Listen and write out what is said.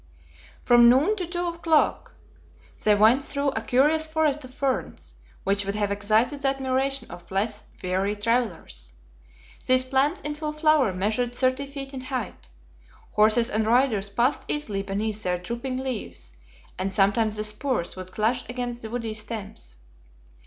From noon to two o'clock they went through a curious forest of ferns, which would have excited the admiration of less weary travelers. These plants in full flower measured thirty feet in height. Horses and riders passed easily beneath their drooping leaves, and sometimes the spurs would clash against the woody stems.